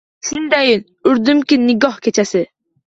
Shundayin urdimki… nikoh kechasi